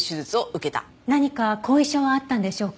何か後遺症はあったんでしょうか？